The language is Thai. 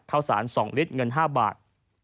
ข้าวสาร๒ลิตรเงิน๕บาท